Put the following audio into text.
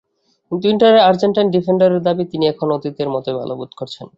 কিন্তু ইন্টারের আর্জেন্টাইন ডিফেন্ডারের দাবি, তিনি এখনো অতীতের মতোই ভালো বোধ করছেন।